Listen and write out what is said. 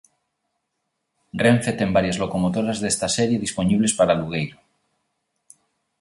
Renfe ten varias locomotoras desta serie dispoñibles para alugueiro.